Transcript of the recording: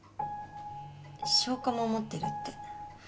証拠も持ってるって。